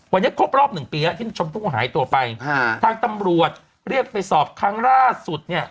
วันนี้ครบรอบหนึ่งปีแล้วที่ชมพู่หายตัวไปฮะทางตำรวจเรียกไปสอบครั้งล่าสุดเนี่ย